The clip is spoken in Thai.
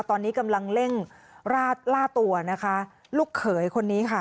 ตอนนี้กำลังเร่งราดล่าตัวนะคะลูกเขยคนนี้ค่ะ